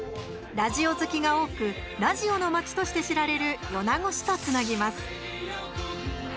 ラジオ好きが多くラジオの町として知られる米子市とつなぎます。